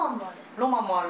ロマンもある。